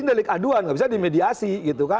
ini delik aduan gak bisa dimediasi